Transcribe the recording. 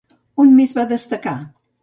On més va destacar?